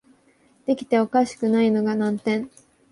出来立てしかおいしくないのが難点